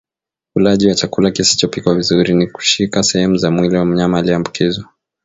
ulaji wa chakula kisichopikwa vizuri na kushika sehemu za mwili wa mnyama aliyeambukizwa